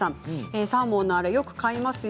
サーモンのアラよく買いますよ。